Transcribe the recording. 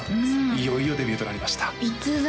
いよいよデビューとなりました逸材？